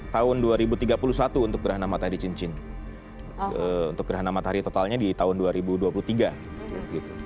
tahun dua ribu tiga puluh satu untuk gerah nama tadi cincin untuk gerah nama tadi totalnya di tahun dua ribu dua puluh tiga gitu